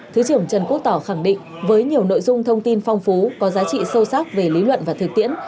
thứ trưởng trần quốc tỏ khẳng định với nhiều nội dung thông tin phong phú có giá trị sâu sắc về lý luận và thực tiễn